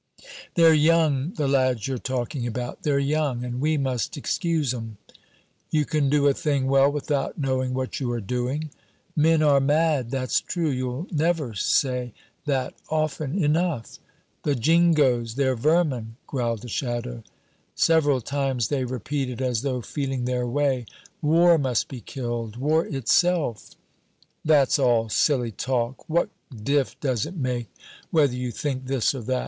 "They're young, the lads you're talking about; they're young, and we must excuse 'em." "You can do a thing well without knowing what you are doing." "Men are mad, that's true. You'll never say that often enough." "The Jingoes they're vermin," growled a shadow. Several times they repeated, as though feeling their way, "War must be killed; war itself." "That's all silly talk. What diff does it make whether you think this or that?